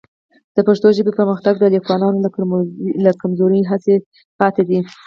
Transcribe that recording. د پښتو ژبې پرمختګ د لیکوالانو له کمزورې هڅې پاتې دی.